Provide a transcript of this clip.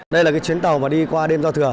đây là cái chuyến tàu mà đi qua đêm giao thừa